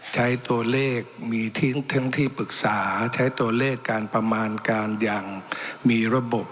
ใช้ตัวเลขมีทิ้งทั้งที่ปรึกษาใช้ตัวเลขการประมาณการอย่างมีระบบ